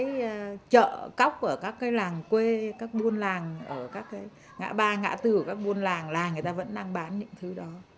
các cái chợ cóc ở các cái làng quê các buôn làng ở các cái ngã ba ngã tử của các buôn làng làng người ta vẫn đang bán những thứ đó